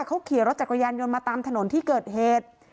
เขาขี่รถจักรยานยนต์มาตามถนนที่เกิดเหตุ